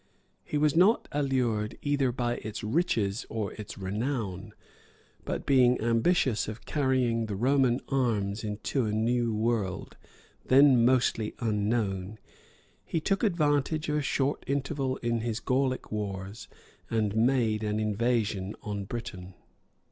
He was not allured either by its riches or its renown; but being ambitious of carrying the Roman arms into a new world, then mostly unknown, he took advantage of a short interval in his Gaulic wars, and made an invasion on Britain.